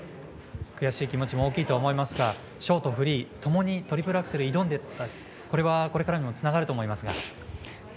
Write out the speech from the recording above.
悔しい気持ちも大きいとは思いますがショート、フリーともにトリプルアクセル挑んでこれは、これからにもつながるとは思いますが。